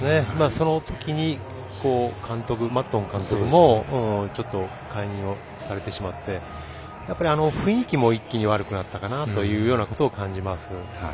そのときに、マッドン監督もちょっと解任をされてしまって雰囲気も一気に悪くなったかなということを感じます。